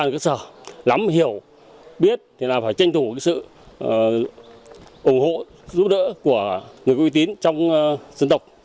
những người không hiểu biết thì phải tranh thủ sự ủng hộ giúp đỡ của người quý tín trong dân tộc